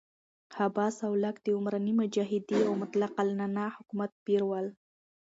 هابس او لاک د عمراني معاهدې او مطلق العنانه حکومت پیر ول.